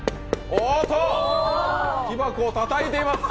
おーっと、木箱をたたいています。